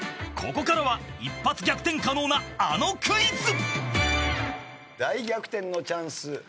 ［ここからは一発逆転可能なあのクイズ］大逆転のチャンス